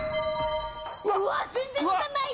うわっ全然分かんない。